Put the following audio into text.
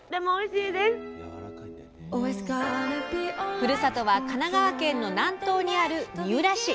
ふるさとは神奈川県の南東にある三浦市。